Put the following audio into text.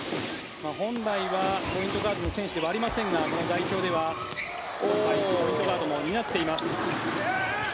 本来はポイントガードの選手ではありませんが代表ではポイントガードも担っています。